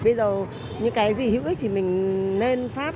bây giờ những cái gì hữu ích thì mình nên phát